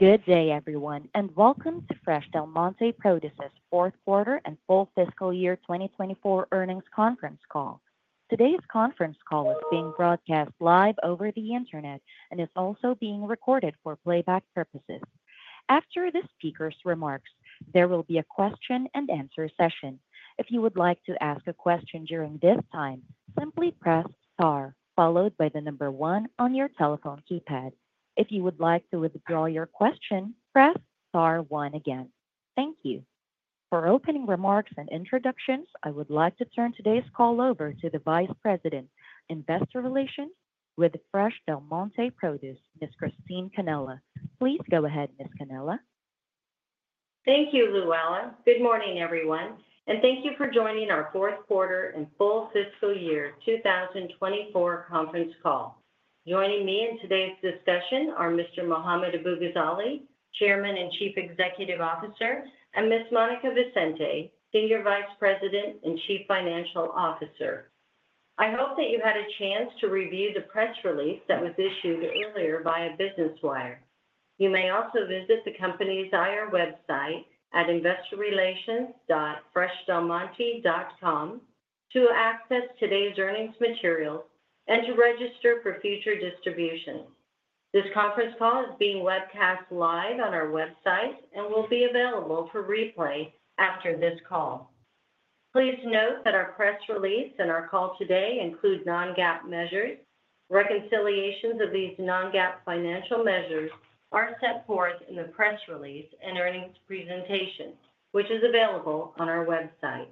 Good day, everyone, and welcome to Fresh Del Monte Produce's fourth quarter and full fiscal year 2024 earnings conference call. Today's conference call is being broadcast live over the internet and is also being recorded for playback purposes. After the speaker's remarks, there will be a question-and-answer session. If you would like to ask a question during this time, simply press star, followed by the number one on your telephone keypad. If you would like to withdraw your question, press star one again. Thank you. For opening remarks and introductions, I would like to turn today's call over to the Vice President, Investor Relations with Fresh Del Monte Produce, Ms. Christine Cannella. Please go ahead, Ms. Cannella. Thank you, Luella. Good morning, everyone, and thank you for joining our fourth quarter and full fiscal year 2024 conference call. Joining me in today's discussion are Mr. Mohammad Abu-Ghazaleh, Chairman and Chief Executive Officer, and Ms. Monica Vicente, Senior Vice President and Chief Financial Officer. I hope that you had a chance to review the press release that was issued earlier via Business Wire. You may also visit the company's IR website at investorrelations.freshdelmonte.com to access today's earnings materials and to register for future distributions. This conference call is being webcast live on our website and will be available for replay after this call. Please note that our press release and our call today include non-GAAP measures. Reconciliations of these non-GAAP financial measures are set forth in the press release and earnings presentation, which is available on our website.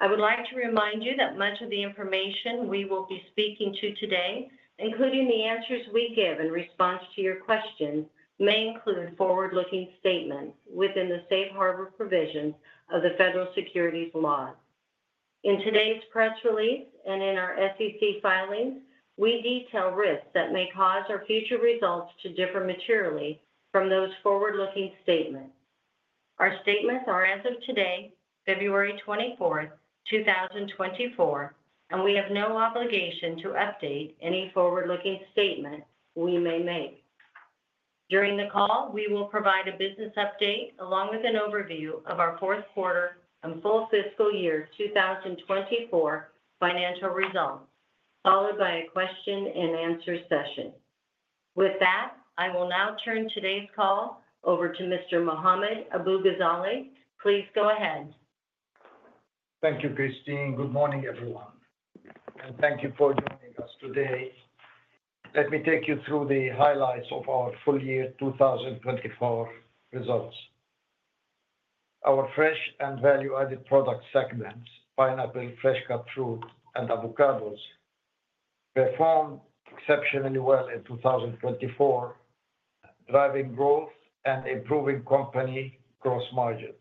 I would like to remind you that much of the information we will be speaking to today, including the answers we give in response to your questions, may include forward-looking statements within the safe harbor provisions of the federal securities law. In today's press release and in our SEC filings, we detail risks that may cause our future results to differ materially from those forward-looking statements. Our statements are, as of today, February 24, 2024, and we have no obligation to update any forward-looking statement we may make. During the call, we will provide a business update along with an overview of our fourth quarter and full fiscal year 2024 financial results, followed by a question-and-answer session. With that, I will now turn today's call over to Mr. Mohammad Abu-Ghazaleh. Please go ahead. Thank you, Christine. Good morning, everyone, and thank you for joining us today. Let me take you through the highlights of our full year 2024 results. Our fresh and value-added product segments, pineapple, fresh-cut fruit, and avocados, performed exceptionally well in 2024, driving growth and improving company gross margins.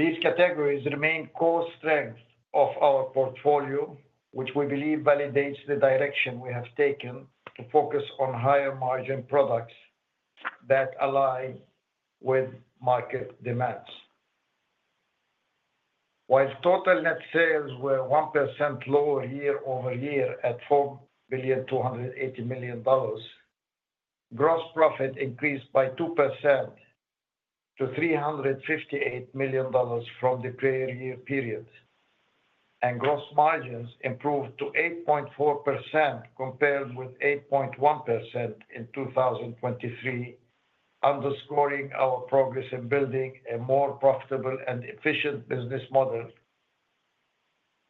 These categories remain core strengths of our portfolio, which we believe validates the direction we have taken to focus on higher margin products that align with market demands. While total net sales were 1% lower year over year at $4,280 million, gross profit increased by 2% to $358 million from the prior year period, and gross margins improved to 8.4% compared with 8.1% in 2023, underscoring our progress in building a more profitable and efficient business model.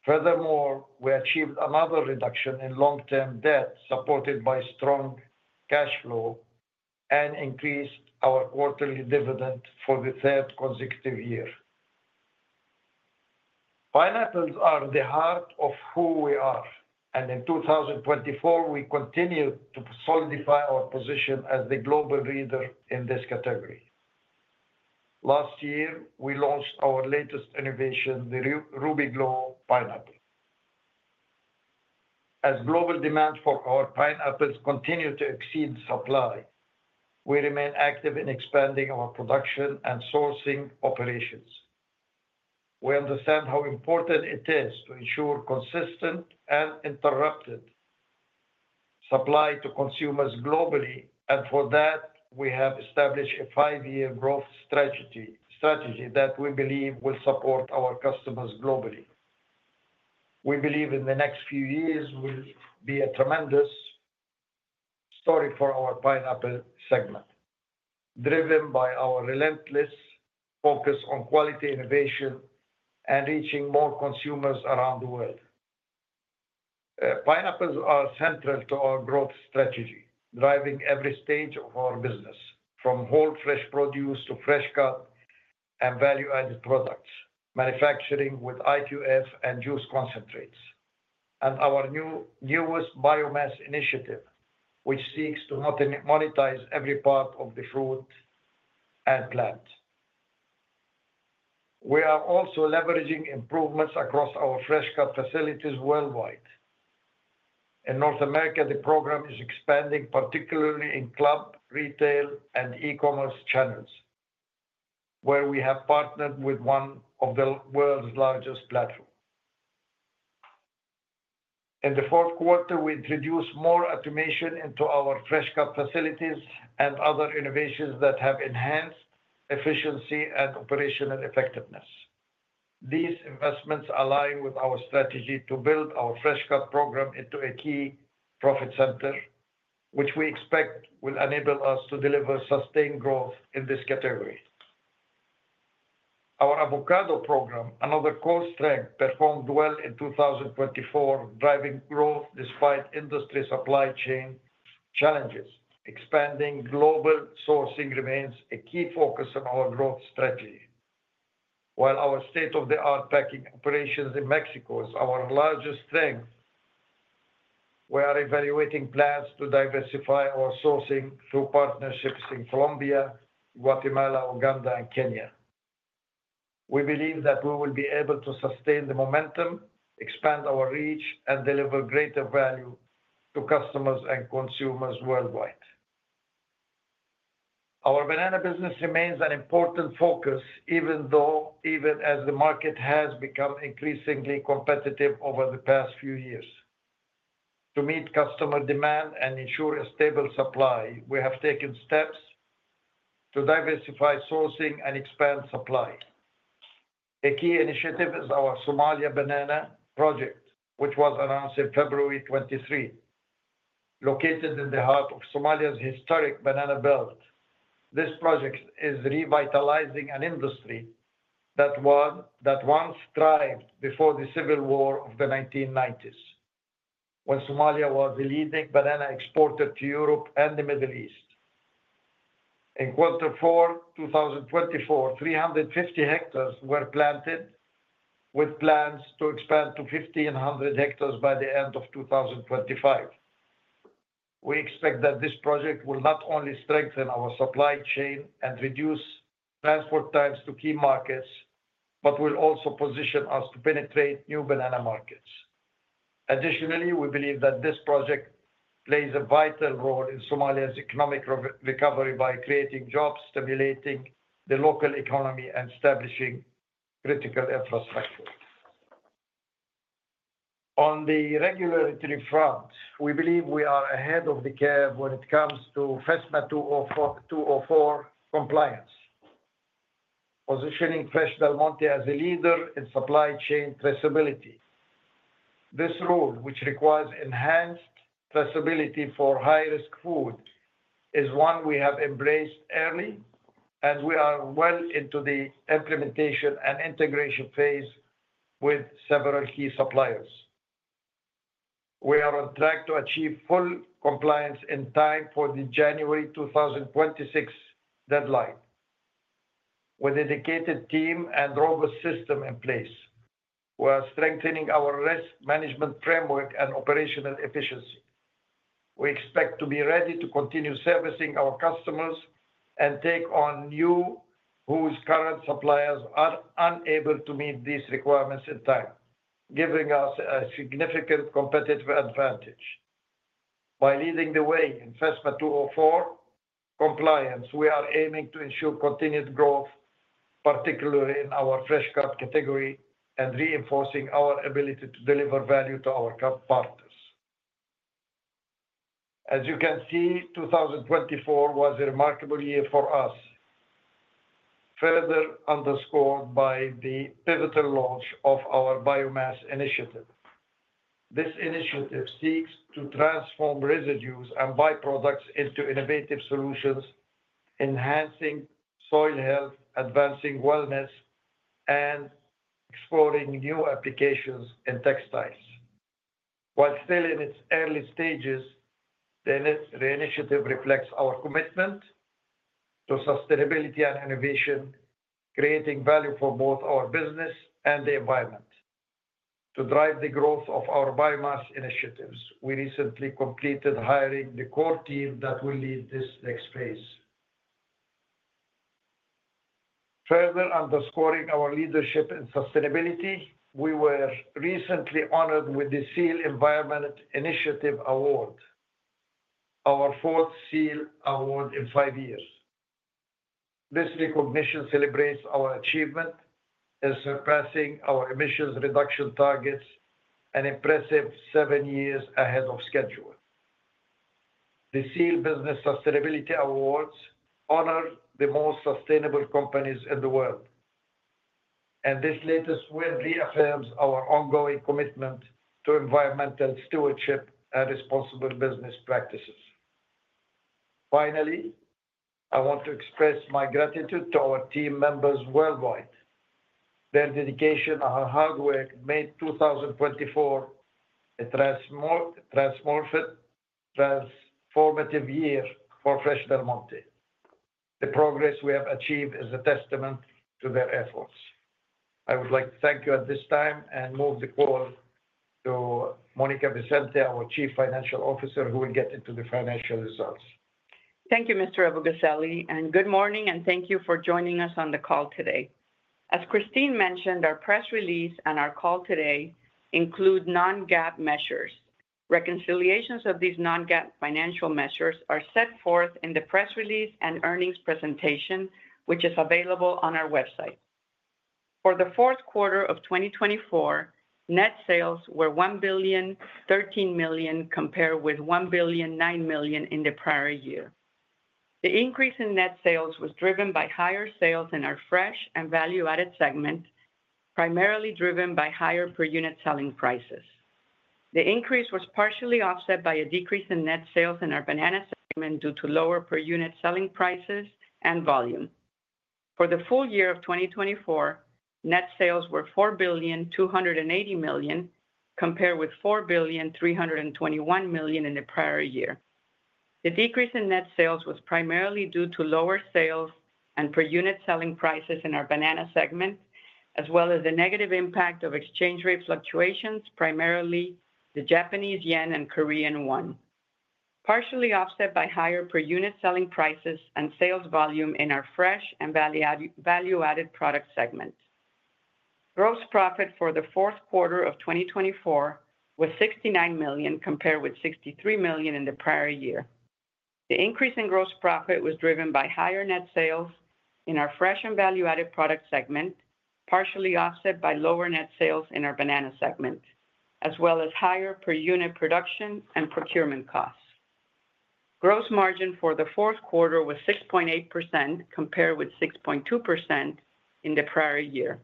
Furthermore, we achieved another reduction in long-term debt supported by strong cash flow and increased our quarterly dividend for the third consecutive year. Pineapples are the heart of who we are, and in 2024, we continue to solidify our position as the global leader in this category. Last year, we launched our latest innovation, the Rubyglow Pineapple. As global demand for our pineapples continues to exceed supply, we remain active in expanding our production and sourcing operations. We understand how important it is to ensure consistent and uninterrupted supply to consumers globally, and for that, we have established a five-year growth strategy that we believe will support our customers globally. We believe in the next few years will be a tremendous story for our pineapple segment, driven by our relentless focus on quality innovation and reaching more consumers around the world. Pineapples are central to our growth strategy, driving every stage of our business, from whole fresh produce to fresh-cut and value-added products, manufacturing with IQF and juice concentrates, and our newest biomass initiative, which seeks to monetize every part of the fruit and plant. We are also leveraging improvements across our fresh-cut facilities worldwide. In North America, the program is expanding particularly in club, retail, and e-commerce channels, where we have partnered with one of the world's largest platforms. In the fourth quarter, we introduced more automation into our fresh-cut facilities and other innovations that have enhanced efficiency and operational effectiveness. These investments align with our strategy to build our fresh-cut program into a key profit center, which we expect will enable us to deliver sustained growth in this category. Our avocado program, another core strength, performed well in 2024, driving growth despite industry supply chain challenges. Expanding global sourcing remains a key focus in our growth strategy. While our state-of-the-art packing operations in Mexico is our largest strength, we are evaluating plans to diversify our sourcing through partnerships in Colombia, Guatemala, Uganda, and Kenya. We believe that we will be able to sustain the momentum, expand our reach, and deliver greater value to customers and consumers worldwide. Our banana business remains an important focus, even though, even as the market has become increasingly competitive over the past few years. To meet customer demand and ensure a stable supply, we have taken steps to diversify sourcing and expand supply. A key initiative is our Somalia Banana Project, which was announced in February 2023. Located in the heart of Somalia's historic banana belt, this project is revitalizing an industry that once thrived before the civil war of the 1990s, when Somalia was the leading banana exporter to Europe and the Middle East. In quarter four, 2024, 350 hectares were planted, with plans to expand to 1,500 hectares by the end of 2025. We expect that this project will not only strengthen our supply chain and reduce transport times to key markets, but will also position us to penetrate new banana markets. Additionally, we believe that this project plays a vital role in Somalia's economic recovery by creating jobs, stimulating the local economy, and establishing critical infrastructure. On the regulatory front, we believe we are ahead of the curve when it comes to FSMA 204 compliance, positioning Fresh Del Monte as a leader in supply chain traceability. This rule, which requires enhanced traceability for high-risk food, is one we have embraced early, and we are well into the implementation and integration phase with several key suppliers. We are on track to achieve full compliance in time for the January 2026 deadline. With a dedicated team and robust system in place, we are strengthening our risk management framework and operational efficiency. We expect to be ready to continue servicing our customers and take on new customers whose current suppliers are unable to meet these requirements in time, giving us a significant competitive advantage. By leading the way in FSMA 204 compliance, we are aiming to ensure continued growth, particularly in our fresh-cut category, and reinforcing our ability to deliver value to our cut partners. As you can see, 2024 was a remarkable year for us, further underscored by the pivotal launch of our biomass initiative. This initiative seeks to transform residues and byproducts into innovative solutions, enhancing soil health, advancing wellness, and exploring new applications in textiles. While still in its early stages, the initiative reflects our commitment to sustainability and innovation, creating value for both our business and the environment. To drive the growth of our biomass initiatives, we recently completed hiring the core team that will lead this next phase. Further underscoring our leadership in sustainability, we were recently honored with the SEAL Environment Initiative Award, our fourth SEAL Award in five years. This recognition celebrates our achievement in surpassing our emissions reduction targets and impressive seven years ahead of schedule. The SEAL Business Sustainability Awards honor the most sustainable companies in the world, and this latest win reaffirms our ongoing commitment to environmental stewardship and responsible business practices. Finally, I want to express my gratitude to our team members worldwide. Their dedication and hard work made 2024 a transformative year for Fresh Del Monte. The progress we have achieved is a testament to their efforts. I would like to thank you at this time and move the call to Monica Vicente, our Chief Financial Officer, who will get into the financial results. Thank you, Mr. Abu-Ghazaleh, and good morning, and thank you for joining us on the call today. As Christine mentioned, our press release and our call today include Non-GAAP measures. Reconciliations of these Non-GAAP financial measures are set forth in the press release and earnings presentation, which is available on our website. For the fourth quarter of 2024, net sales were $1,013 million compared with $1,009 million in the prior year. The increase in net sales was driven by higher sales in our fresh and value-added segment, primarily driven by higher per-unit selling prices. The increase was partially offset by a decrease in net sales in our Banana segment due to lower per-unit selling prices and volume. For the full year of 2024, net sales were $4,280 million compared with $4,321 million in the prior year. The decrease in net sales was primarily due to lower sales and per-unit selling prices in our banana segment, as well as the negative impact of exchange rate fluctuations, primarily the Japanese yen and Korean won, partially offset by higher per-unit selling prices and sales volume in our Fresh and Value-Added Products segment. Gross profit for the fourth quarter of 2024 was $69 million compared with $63 million in the prior year. The increase in gross profit was driven by higher net sales in our Fresh and Value-Added Products segment, partially offset by lower net sales in our banana segment, as well as higher per-unit production and procurement costs. Gross margin for the fourth quarter was 6.8% compared with 6.2% in the prior year.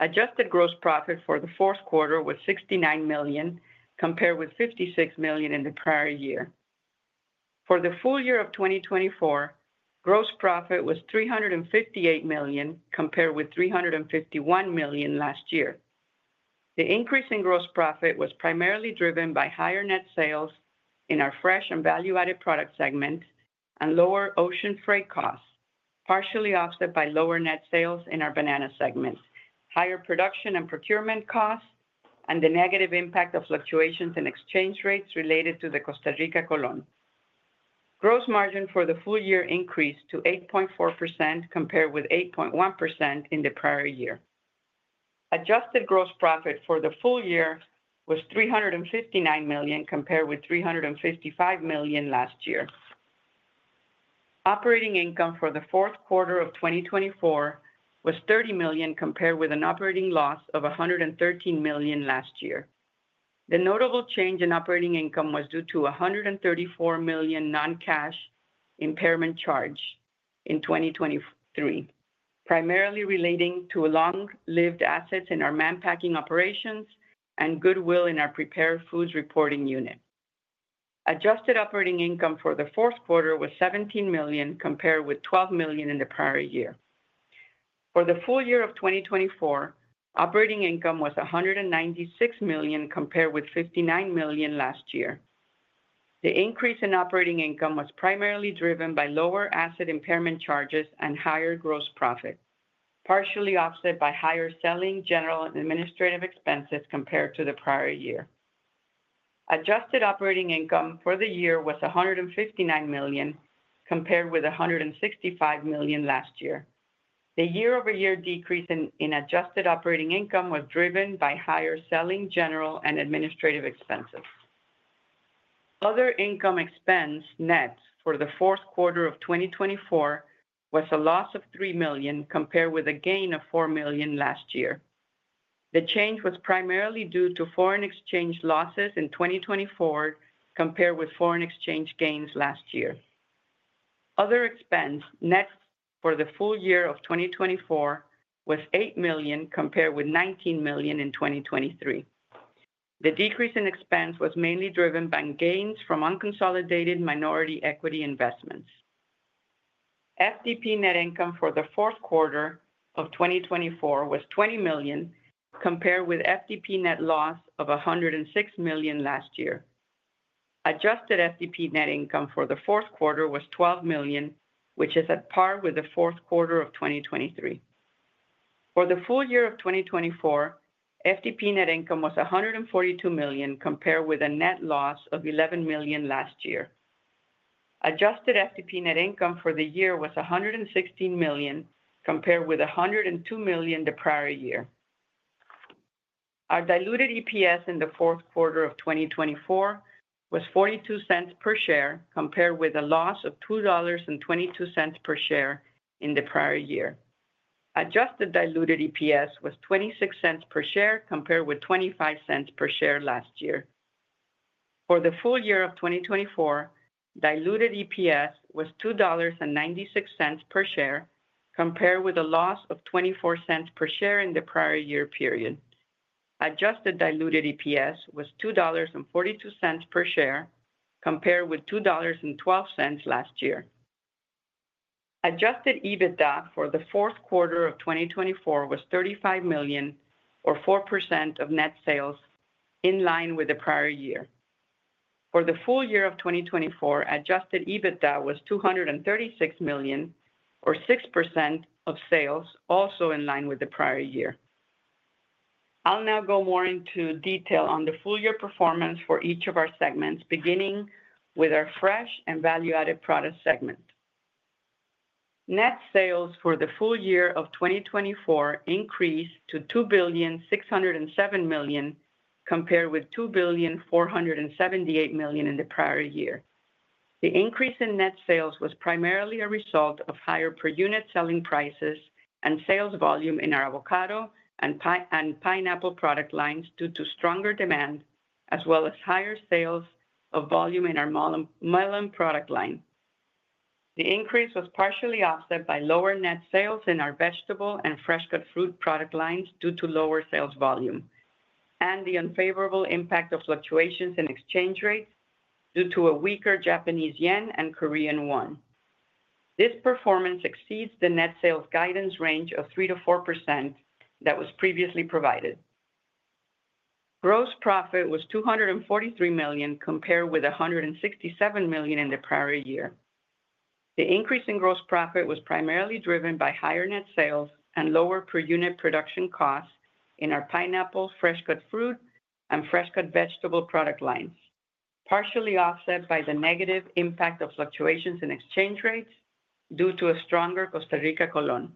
Adjusted gross profit for the fourth quarter was $69 million compared with $56 million in the prior year. For the full year of 2024, gross profit was $358 million compared with $351 million last year. The increase in gross profit was primarily driven by higher net sales in our fresh and value-added product segment and lower ocean freight costs, partially offset by lower net sales in our banana segment, higher production and procurement costs, and the negative impact of fluctuations in exchange rates related to the Costa Rican colon. Gross margin for the full year increased to 8.4% compared with 8.1% in the prior year. Adjusted gross profit for the full year was $359 million compared with $355 million last year. Operating income for the fourth quarter of 2024 was $30 million compared with an operating loss of $113 million last year. The notable change in operating income was due to a $134 million non-cash impairment charge in 2023, primarily relating to long-lived assets in our Mann Packing operations and goodwill in our prepared foods reporting unit. Adjusted operating income for the fourth quarter was $17 million compared with $12 million in the prior year. For the full year of 2024, operating income was $196 million compared with $59 million last year. The increase in operating income was primarily driven by lower asset impairment charges and higher gross profit, partially offset by higher selling, general, and administrative expenses compared to the prior year. Adjusted operating income for the year was $159 million compared with $165 million last year. The year-over-year decrease in adjusted operating income was driven by higher selling, general, and administrative expenses. Other income (expense), net for the fourth quarter of 2024 was a loss of $3 million compared with a gain of $4 million last year. The change was primarily due to foreign exchange losses in 2024 compared with foreign exchange gains last year. Other income (expense), net for the full year of 2024 was $8 million compared with $19 million in 2023. The decrease in expense was mainly driven by gains from unconsolidated minority equity investments. FDP net income for the fourth quarter of 2024 was $20 million compared with FDP net loss of $106 million last year. Adjusted FDP net income for the fourth quarter was $12 million, which is at par with the fourth quarter of 2023. For the full year of 2024, FDP net income was $142 million compared with a net loss of $11 million last year. Adjusted FDP net income for the year was $116 million compared with $102 million the prior year. Our diluted EPS in the fourth quarter of 2024 was $0.42 per share compared with a loss of $2.22 per share in the prior year. Adjusted diluted EPS was $0.26 per share compared with $0.25 per share last year. For the full year of 2024, diluted EPS was $2.96 per share compared with a loss of $0.24 per share in the prior year period. Adjusted diluted EPS was $2.42 per share compared with $2.12 last year. Adjusted EBITDA for the fourth quarter of 2024 was $35 million, or 4% of net sales, in line with the prior year. For the full year of 2024, adjusted EBITDA was $236 million, or 6% of sales, also in line with the prior year. I'll now go more into detail on the full year performance for each of our segments, beginning with our fresh and value-added product segment. Net sales for the full year of 2024 increased to $2,607 million compared with $2,478 million in the prior year. The increase in net sales was primarily a result of higher per-unit selling prices and sales volume in our avocado and pineapple product lines due to stronger demand, as well as higher sales of volume in our melon product line. The increase was partially offset by lower net sales in our vegetable and fresh-cut fruit product lines due to lower sales volume, and the unfavorable impact of fluctuations in exchange rates due to a weaker Japanese yen and Korean won. This performance exceeds the net sales guidance range of 3% to 4% that was previously provided. Gross profit was $243 million compared with $167 million in the prior year. The increase in gross profit was primarily driven by higher net sales and lower per-unit production costs in our pineapple, fresh-cut fruit, and fresh-cut vegetable product lines, partially offset by the negative impact of fluctuations in exchange rates due to a stronger Costa Rican colon.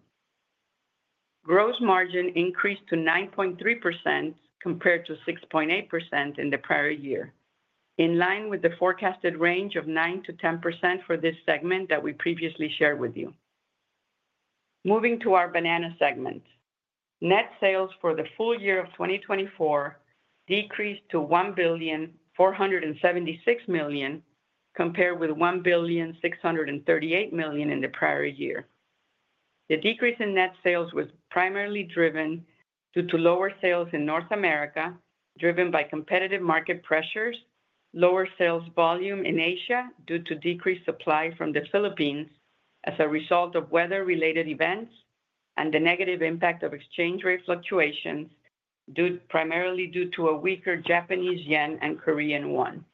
Gross margin increased to 9.3% compared to 6.8% in the prior year, in line with the forecasted range of 9%-10% for this segment that we previously shared with you. Moving to our banana segment, net sales for the full year of 2024 decreased to $1,476 million compared with $1,638 million in the prior year. The decrease in net sales was primarily driven due to lower sales in North America, driven by competitive market pressures, lower sales volume in Asia due to decreased supply from the Philippines as a result of weather-related events, and the negative impact of exchange rate fluctuations, primarily due to a weaker Japanese yen and Korean won.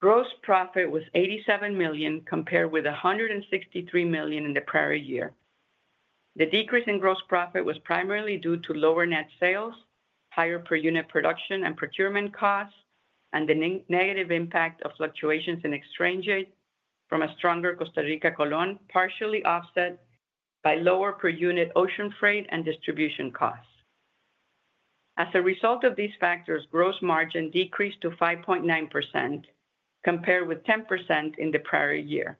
Gross profit was $87 million compared with $163 million in the prior year. The decrease in gross profit was primarily due to lower net sales, higher per-unit production and procurement costs, and the negative impact of fluctuations in exchange rates from a stronger Costa Rican Colon, partially offset by lower per-unit ocean freight and distribution costs. As a result of these factors, gross margin decreased to 5.9% compared with 10% in the prior year.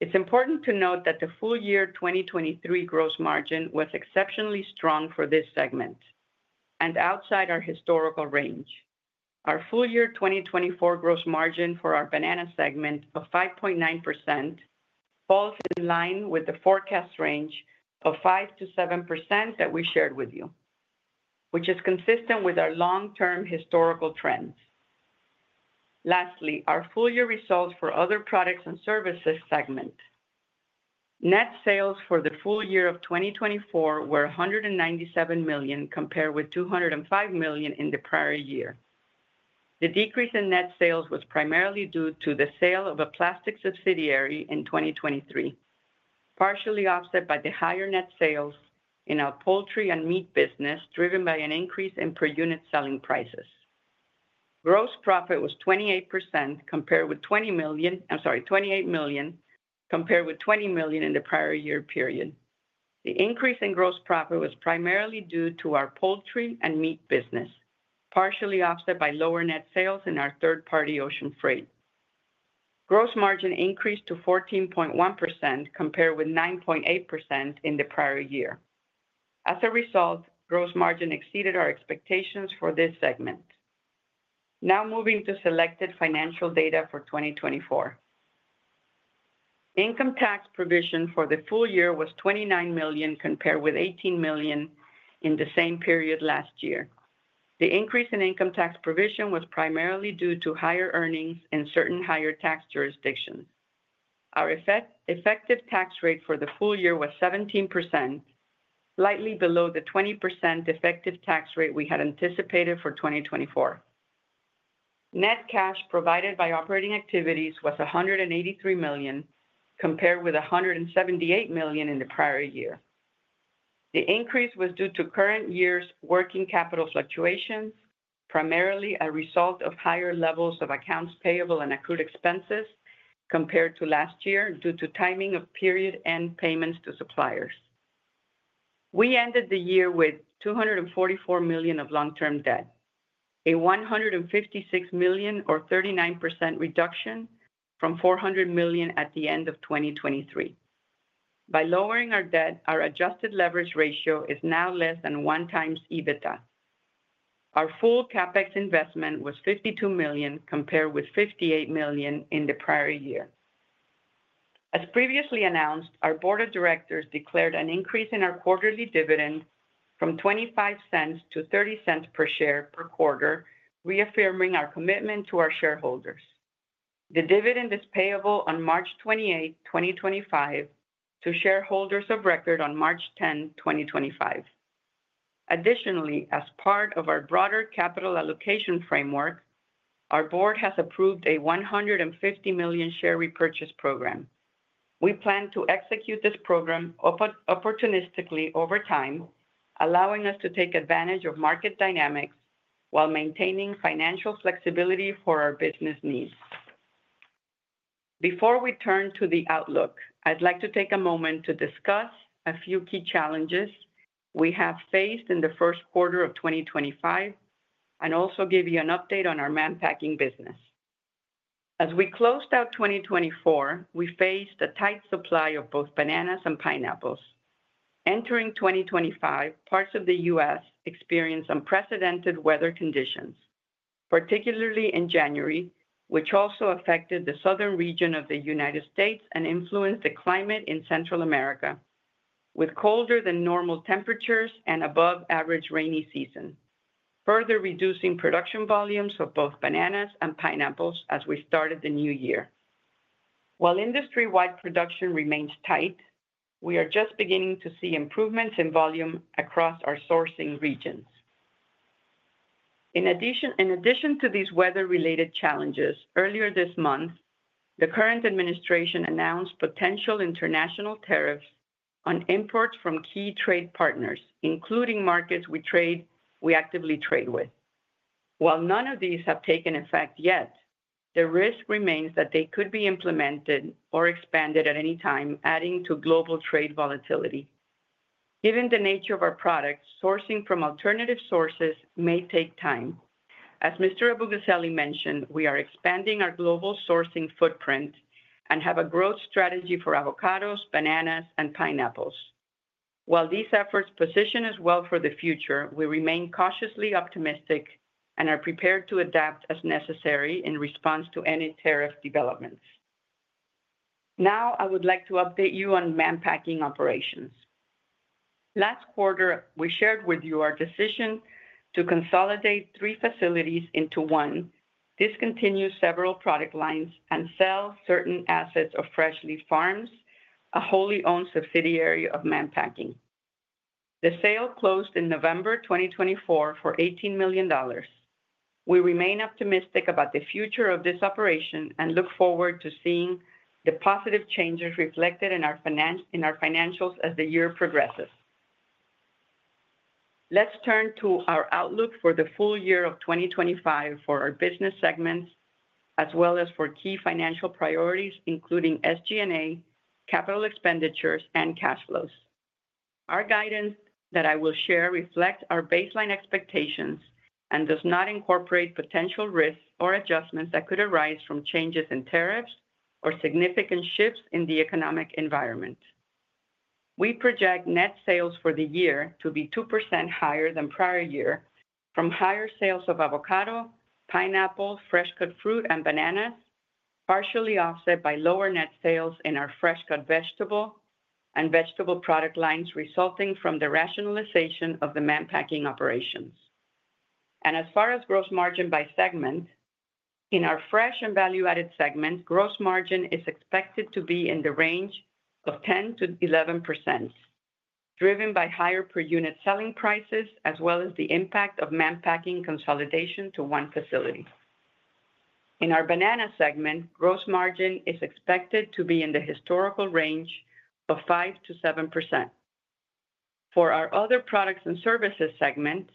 It's important to note that the full year 2023 gross margin was exceptionally strong for this segment and outside our historical range. Our full year 2024 gross margin for our banana segment of 5.9% falls in line with the forecast range of 5%-7% that we shared with you, which is consistent with our long-term historical trends. Lastly, our full year results for Other Products and Services segment. Net sales for the full year of 2024 were $197 million compared with $205 million in the prior year. The decrease in net sales was primarily due to the sale of a plastic subsidiary in 2023, partially offset by the higher net sales in our poultry and meat business, driven by an increase in per-unit selling prices. Gross profit was $28 million compared with $20 million in the prior year period. The increase in gross profit was primarily due to our poultry and meat business, partially offset by lower net sales in our third-party ocean freight. Gross margin increased to 14.1% compared with 9.8% in the prior year. As a result, gross margin exceeded our expectations for this segment. Now moving to selected financial data for 2024. Income tax provision for the full year was $29 million compared with $18 million in the same period last year. The increase in income tax provision was primarily due to higher earnings in certain higher tax jurisdictions. Our effective tax rate for the full year was 17%, slightly below the 20% effective tax rate we had anticipated for 2024. Net cash provided by operating activities was $183 million compared with $178 million in the prior year. The increase was due to current year's working capital fluctuations, primarily a result of higher levels of accounts payable and accrued expenses compared to last year due to timing of period and payments to suppliers. We ended the year with $244 million of long-term debt, a $156 million, or 39% reduction from $400 million at the end of 2023. By lowering our debt, our adjusted leverage ratio is now less than one times EBITDA. Our full CapEx investment was $52 million compared with $58 million in the prior year. As previously announced, our board of directors declared an increase in our quarterly dividend from $0.25 to $0.30 per share per quarter, reaffirming our commitment to our shareholders. The dividend is payable on March 28, 2025, to shareholders of record on March 10, 2025. Additionally, as part of our broader capital allocation framework, our board has approved a $150 million share repurchase program. We plan to execute this program opportunistically over time, allowing us to take advantage of market dynamics while maintaining financial flexibility for our business needs. Before we turn to the outlook, I'd like to take a moment to discuss a few key challenges we have faced in the first quarter of 2025 and also give you an update on our Mann Packing business. As we closed out 2024, we faced a tight supply of both bananas and pineapples. Entering 2025, parts of the U.S. experienced unprecedented weather conditions, particularly in January, which also affected the southern region of the United States and influenced the climate in Central America, with colder than normal temperatures and above-average rainy season, further reducing production volumes of both bananas and pineapples as we started the new year. While industry-wide production remains tight, we are just beginning to see improvements in volume across our sourcing regions. In addition to these weather-related challenges, earlier this month, the current administration announced potential international tariffs on imports from key trade partners, including markets we actively trade with. While none of these have taken effect yet, the risk remains that they could be implemented or expanded at any time, adding to global trade volatility. Given the nature of our products, sourcing from alternative sources may take time. As Mr. Abu-Ghazaleh mentioned, we are expanding our global sourcing footprint and have a growth strategy for avocados, bananas, and pineapples. While these efforts position us well for the future, we remain cautiously optimistic and are prepared to adapt as necessary in response to any tariff developments. Now, I would like to update you on Mann Packing operations. Last quarter, we shared with you our decision to consolidate three facilities into one, discontinue several product lines, and sell certain assets of Fresh Leaf Farms, a wholly owned subsidiary of Mann Packing. The sale closed in November 2024 for $18 million. We remain optimistic about the future of this operation and look forward to seeing the positive changes reflected in our financials as the year progresses. Let's turn to our outlook for the full year of 2025 for our business segments, as well as for key financial priorities, including SG&A, capital expenditures, and cash flows. Our guidance that I will share reflects our baseline expectations and does not incorporate potential risks or adjustments that could arise from changes in tariffs or significant shifts in the economic environment. We project net sales for the year to be 2% higher than prior year from higher sales of avocado, pineapple, fresh-cut fruit, and bananas, partially offset by lower net sales in our fresh-cut vegetable and vegetable product lines resulting from the rationalization of the Mann Packing operations, and as far as gross margin by segment, in our fresh and value-added segment, gross margin is expected to be in the range of 10%-11%, driven by higher per-unit selling prices, as well as the impact of Mann Packing consolidation to one facility. In our banana segment, gross margin is expected to be in the historical range of 5%-7%. For our other products and services segment,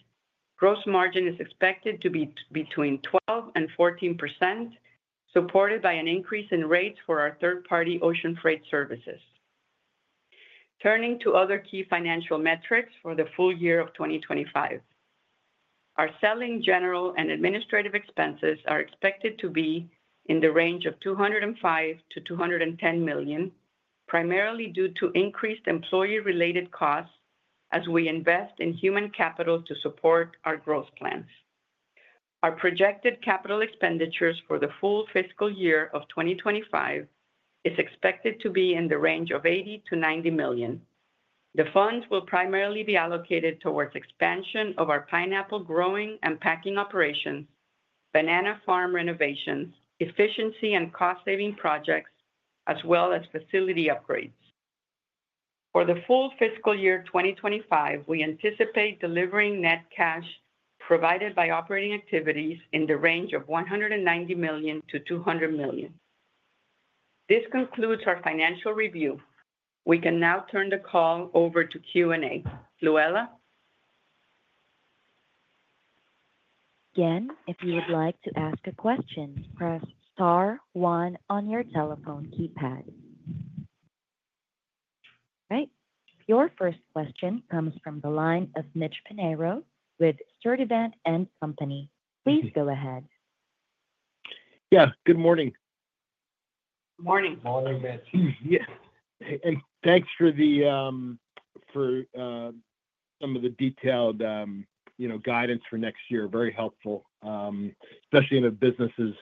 gross margin is expected to be between 12% and 14%, supported by an increase in rates for our third-party ocean freight services. Turning to other key financial metrics for the full year of 2025, our selling, general, and administrative expenses are expected to be in the range of $205-$210 million, primarily due to increased employee-related costs as we invest in human capital to support our growth plans. Our projected capital expenditures for the full fiscal year of 2025 are expected to be in the range of $80-$90 million. The funds will primarily be allocated towards expansion of our pineapple growing and packing operations, banana farm renovations, efficiency and cost-saving projects, as well as facility upgrades. For the full fiscal year 2025, we anticipate delivering net cash provided by operating activities in the range of $190-$200 million. This concludes our financial review. We can now turn the call over to Q&A. Operator? Again, if you would like to ask a question, press star one on your telephone keypad. All right. Your first question comes from the line of Mitch Pinheiro with Sturdivant & Co. Please go ahead. Yeah. Good morning. Good morning. Good morning, Mitch. Yes. And thanks for some of the detailed guidance for next year. Very helpful, especially in businesses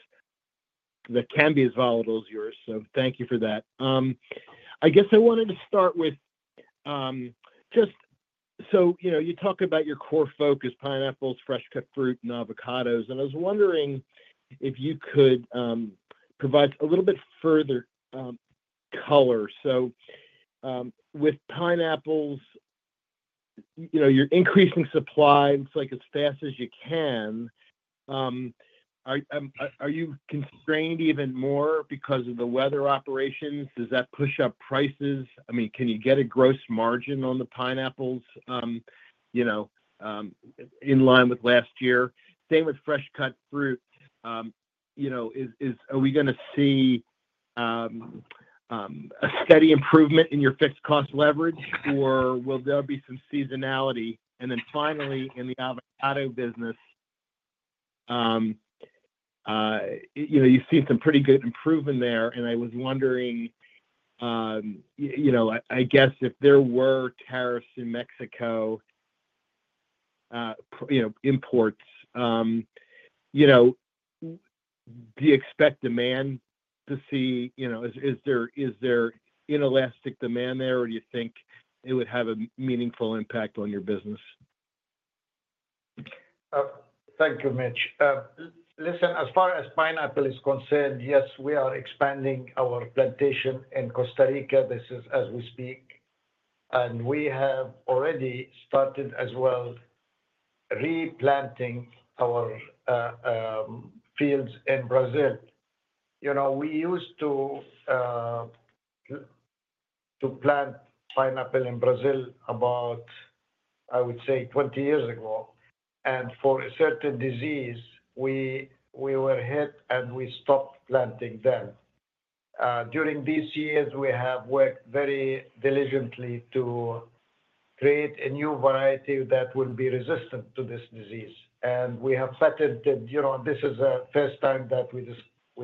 that can be as volatile as yours. So thank you for that. I guess I wanted to start with just so you talk about your core focus, pineapples, fresh-cut fruit, and avocados. And I was wondering if you could provide a little bit further color. So with pineapples, you're increasing supply as fast as you can. Are you constrained even more because of the weather operations? Does that push up prices? I mean, can you get a gross margin on the pineapples in line with last year? Same with fresh-cut fruit. Are we going to see a steady improvement in your fixed cost leverage, or will there be some seasonality? And then finally, in the avocado business, you've seen some pretty good improvement there. And I was wondering, I guess, if there were tariffs in Mexico imports, do you expect demand to see? Is there inelastic demand there, or do you think it would have a meaningful impact on your business? Thank you, Mitch. Listen, as far as pineapple is concerned, yes, we are expanding our plantation in Costa Rica as we speak. And we have already started as well replanting our fields in Brazil. We used to plant pineapple in Brazil about, I would say, 20 years ago. And for a certain disease, we were hit, and we stopped planting them. During these years, we have worked very diligently to create a new variety that will be resistant to this disease. And we have patented this. This is the first time that we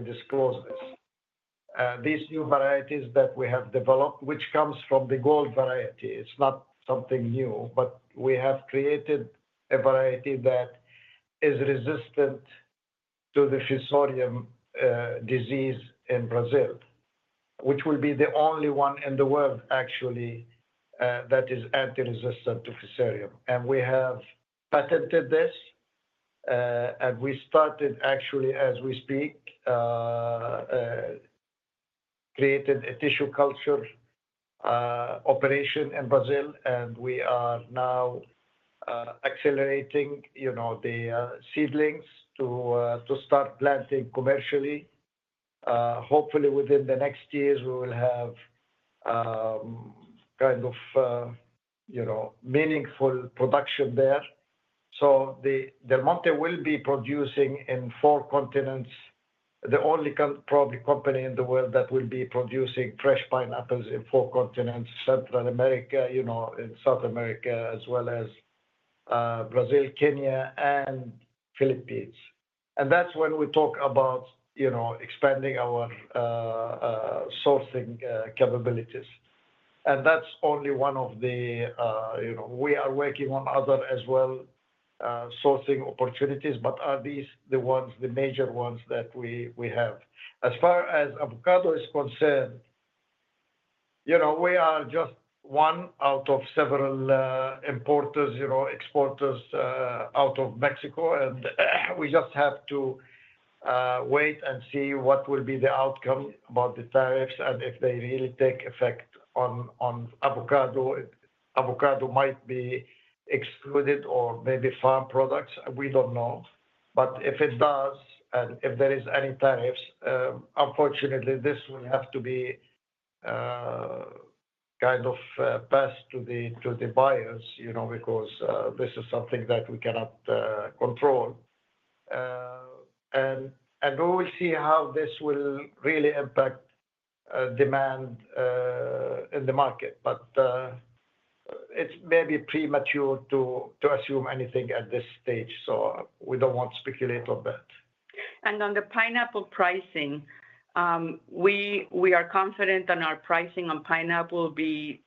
disclose this. These new varieties that we have developed, which comes from the gold variety, it's not something new, but we have created a variety that is resistant to the Fusarium disease in Brazil, which will be the only one in the world, actually, that is anti-resistant to Fusarium. And we have patented this. And we started, actually, as we speak, created a tissue culture operation in Brazil. And we are now accelerating the seedlings to start planting commercially. Hopefully, within the next years, we will have kind of meaningful production there. Del Monte will be producing in four continents, the only, probably, company in the world that will be producing fresh pineapples in four continents: Central America, South America, as well as Brazil, Kenya, and Philippines. That's when we talk about expanding our sourcing capabilities. That's only one of the we are working on other as well sourcing opportunities, but are these the major ones that we have? As far as avocado is concerned, we are just one out of several importers, exporters out of Mexico. We just have to wait and see what will be the outcome about the tariffs and if they really take effect on avocado. Avocado might be excluded or maybe farm products. We don't know. But if it does and if there are any tariffs, unfortunately, this will have to be kind of passed to the buyers because this is something that we cannot control. And we will see how this will really impact demand in the market. But it's maybe premature to assume anything at this stage. So we don't want to speculate on that. And on the pineapple pricing, we are confident that our pricing on pineapple will be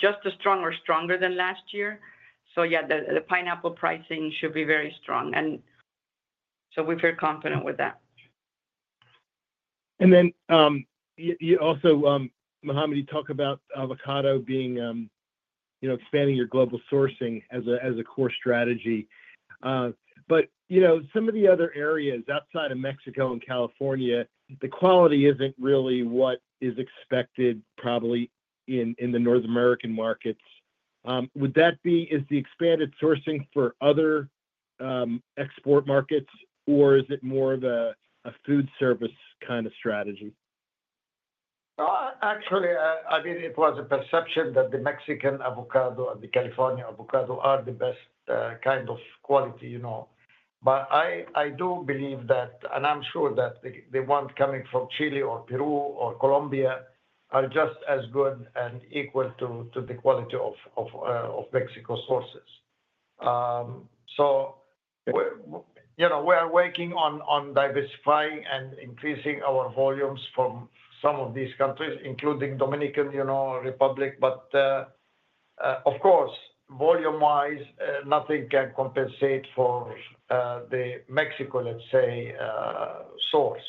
just as strong or stronger than last year. So yeah, the pineapple pricing should be very strong. And so we feel confident with that. And then you also, Mohammad, you talk about avocados being expanding your global sourcing as a core strategy. But some of the other areas outside of Mexico and California, the quality isn't really what is expected probably in the North American markets. Would that be? Is the expanded sourcing for other export markets, or is it more of a food service kind of strategy? Actually, I mean, it was a perception that the Mexican avocado and the California avocado are the best kind of quality, but I do believe that and I'm sure that the ones coming from Chile or Peru or Colombia are just as good and equal to the quality of Mexico sources, so we are working on diversifying and increasing our volumes from some of these countries, including Dominican Republic, but of course, volume-wise, nothing can compensate for the Mexico, let's say, source,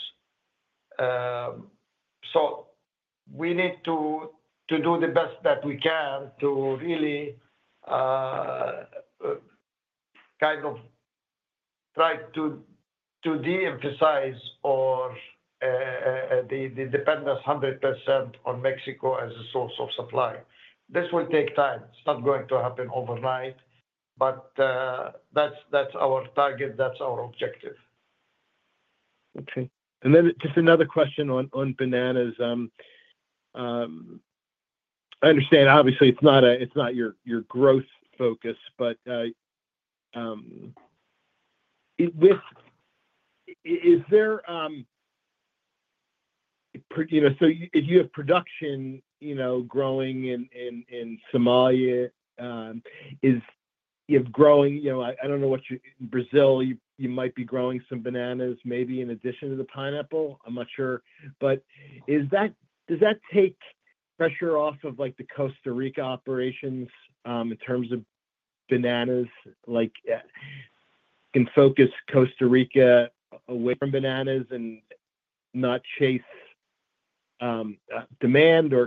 so we need to do the best that we can to really kind of try to de-emphasize or the dependence 100% on Mexico as a source of supply. This will take time. It's not going to happen overnight, but that's our target. That's our objective. Okay. Then just another question on bananas. I understand, obviously, it's not your growth focus, but is there, so if you have production growing in Somalia, you have growing. I don't know what you in Brazil, you might be growing some bananas maybe in addition to the pineapple. I'm not sure. But does that take pressure off of the Costa Rica operations in terms of bananas? Can focus Costa Rica away from bananas and not chase demand? Or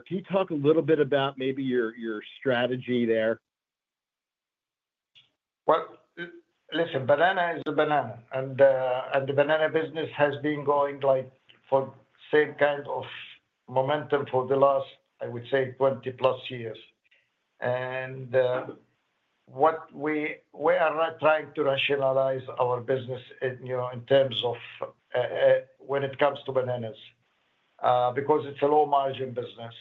can you talk a little bit about maybe your strategy there? Well, listen, banana is a banana. And the banana business has been going for the same kind of momentum for the last, I would say, 20-plus years. And we are trying to rationalize our business in terms of when it comes to bananas because it's a low-margin business,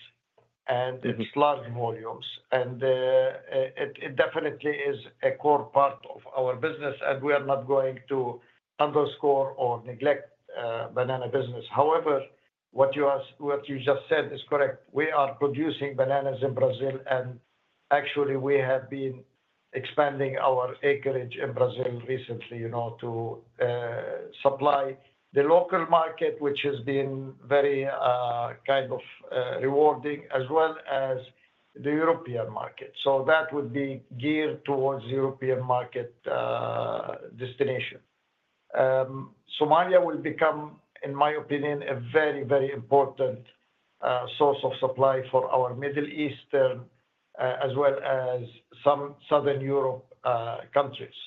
and it's large volumes. It definitely is a core part of our business, and we are not going to underscore or neglect the banana business. However, what you just said is correct. We are producing bananas in Brazil. Actually, we have been expanding our acreage in Brazil recently to supply the local market, which has been very kind of rewarding, as well as the European market. That would be geared towards the European market destination. Somalia will become, in my opinion, a very, very important source of supply for our Middle Eastern as well as some Southern Europe countries.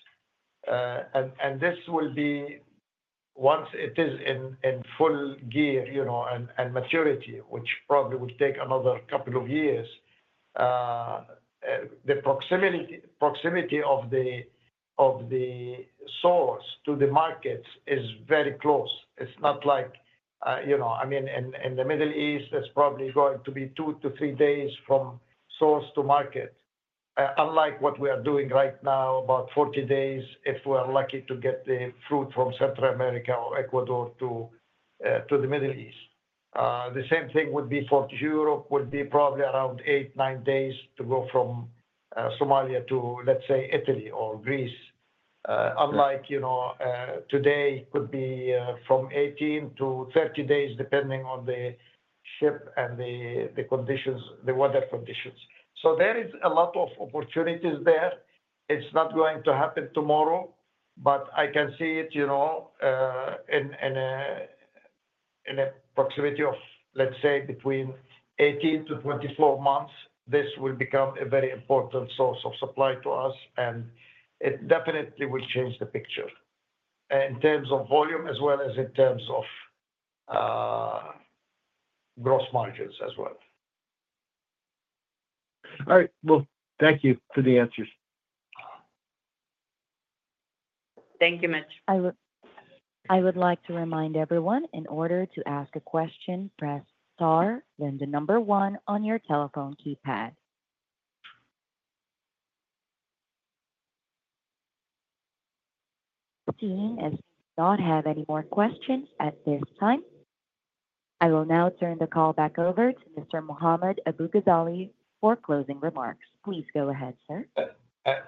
This will be once it is in full gear and maturity, which probably will take another couple of years. The proximity of the source to the markets is very close. It's not like, I mean, in the Middle East, it's probably going to be two to three days from source to market, unlike what we are doing right now, about 40 days if we are lucky to get the fruit from Central America or Ecuador to the Middle East. The same thing would be for Europe, would be probably around eight, nine days to go from Somalia to, let's say, Italy or Greece, unlike today could be from 18 to 30 days depending on the ship and the conditions, the weather conditions. So there is a lot of opportunities there. It's not going to happen tomorrow, but I can see it in a proximity of, let's say, between 18 to 24 months. This will become a very important source of supply to us, and it definitely will change the picture in terms of volume as well as in terms of gross margins as well. All right. Well, thank you for the answers. Thank you, Mitch. I would like to remind everyone, in order to ask a question, press star, then the number one on your telephone keypad. Seeing as we do not have any more questions at this time, I will now turn the call back over to Mr. Mohammad Abu-Ghazaleh for closing remarks. Please go ahead, sir.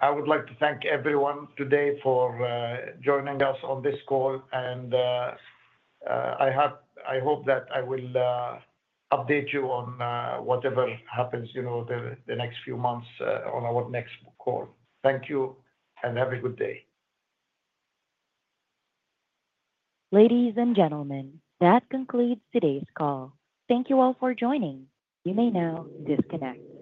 I would like to thank everyone today for joining us on this call, and I hope that I will update you on whatever happens the next few months on our next call. Thank you, and have a good day. Ladies and gentlemen, that concludes today's call. Thank you all for joining. You may now disconnect.